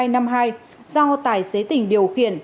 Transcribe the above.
do tài xế tỉnh điều khiển